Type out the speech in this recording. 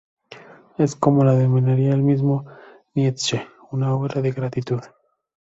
Es como lo denominaría el mismo Nietzsche una obra de gratitud.